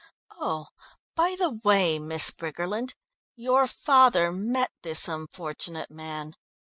Oh, by the way, Miss Briggerland, your father met this unfortunate man.